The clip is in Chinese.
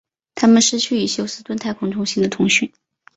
他们失去与休斯顿太空中心的通讯。